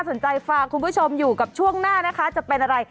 จิตไปสนใจฟังคุณผู้ชมอยู่กับช่วงหน้าจะเป็นอะไร